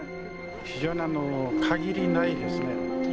非常にあの限りないですね。